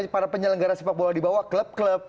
para penyelenggara sepak bola di bawah klub klub